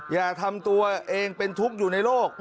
อย่าทำตัวเองเป็นทุกข์อยู่ในโลก